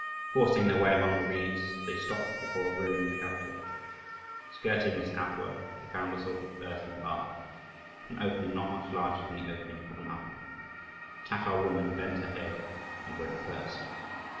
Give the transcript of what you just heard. Forcing their way among the reeds, they stopped before a ruined outwork. Skirting this outwork, they found a sort of earthen arch an opening not much larger than the opening of an oven. The Tatar woman bent her head and went first.